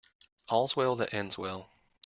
All's well that ends well.